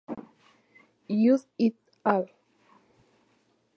Judd et al.